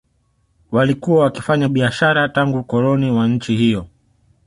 Walikuwa wakifanya biashara tangu ukoloni wa nchi hiyo